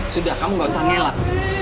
sudah kamu gak usah ngelak